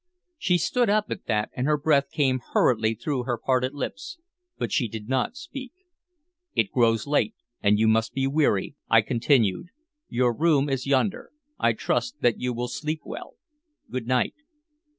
She stood up at that, and her breath came hurriedly through her parted lips, but she did not speak. "It grows late, and you must be weary," I continued. "Your room is yonder. I trust that you will sleep well. Good night."